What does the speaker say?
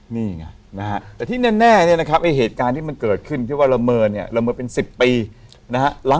นี่ไงนะฮะแต่ที่แน่เนี่ยนะครับไอ้เหตุการณ์ที่มันเกิดขึ้นที่ว่าละเมินเนี่ยละเมอเป็น๑๐ปีนะฮะ